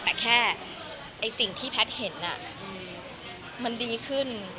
แต่สิ่งที่พัฒน์เห็นมันดีขึ้น